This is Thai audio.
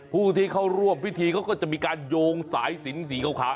ผู้ที่เข้าร่วมพิธีเขาก็จะมีการโยงสายสินสีขาว